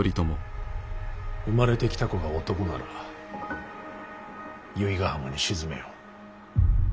生まれてきた子が男なら由比ヶ浜に沈めよ。